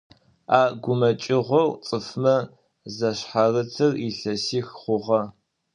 А гумэкӏыгъор цӏыфмэ зашъхьарытыр илъэсих хъугъэ.